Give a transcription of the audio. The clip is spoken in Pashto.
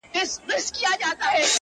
اوس مي د زړه پر تكه سپينه پاڼه.